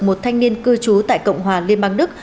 một thanh niên cư trú tại cộng hòa liên bang đức